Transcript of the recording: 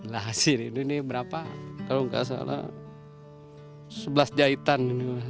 nah hasilnya ini berapa kalau nggak salah sebelas jahitan